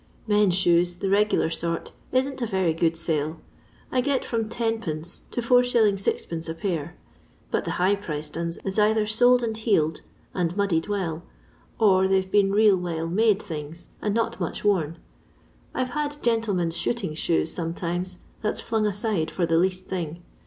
" Men's shoes, the regular sort, isn't a very good sale. I get from \Qd. to As. 6d, a pair ; but the high priced 'nns is either soled and heeled, and mndded well, or they 've been real well made things, and not much worn. I Ve had gentle men's shooting shoes sometimes, that 's flung aside for the least thing.